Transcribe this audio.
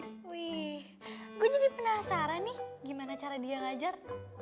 wih gue jadi penasaran nih gimana cara dia ngajar